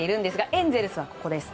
エンゼルスはここです。